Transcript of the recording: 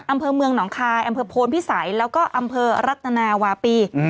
อำเภอเมืองหนองคายอำเภอโพนพิสัยแล้วก็อำเภอรัตนาวาปี